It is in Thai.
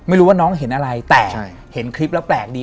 ไม่รู้ว่าน้องเห็นอะไรแต่เห็นคลิปแล้วแปลกดี